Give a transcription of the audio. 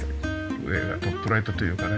上がトップライトというかね